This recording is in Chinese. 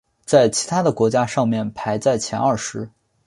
在其他的国家上面排在前二十。